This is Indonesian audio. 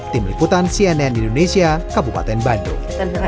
tim liputan cnn indonesia kabupaten bandung